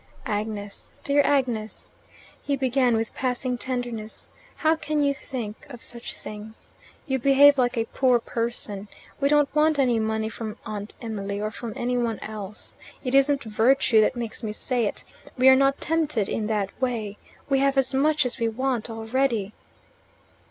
"Agnes, dear Agnes," he began with passing tenderness, "how can you think of such things? You behave like a poor person. We don't want any money from Aunt Emily, or from any one else. It isn't virtue that makes me say it: we are not tempted in that way: we have as much as we want already."